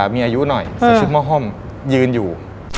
มีอายุหน่อยอยู่